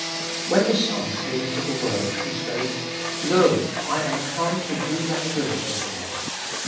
When the Son came into the world he spake : Lo, I am come to do Thy will, 0 God.